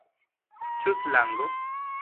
Ĉu slango?